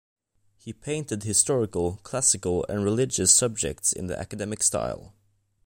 He painted historical, classical and religious subjects in the academic style.